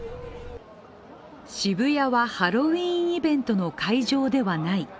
渋谷はハロウィーンイベントの会場ではない。